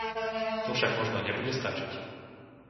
To však možno nebude stačiť.